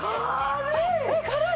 軽い！